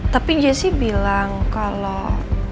tapi jessy bilang kalau